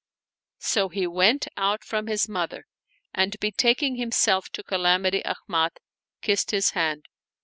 " So he went out from his mother and betaking himself to Calamity Ahmad, kissed his hand.